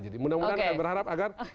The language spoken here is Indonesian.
jadi mudah mudahan kami berharap agar